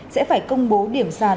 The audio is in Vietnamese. sẽ phải công bố điểm sản theo phong trình